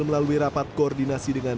melalui rapat koordinasi dengan